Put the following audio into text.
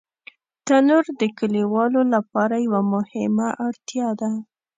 تنور د کلیوالو لپاره یوه مهمه اړتیا ده